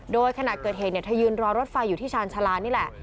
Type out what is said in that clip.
โดยขณะเกิดเหตุเธอยืนรอรถไฟอยู่ที่ชาญชาลานี่แหละ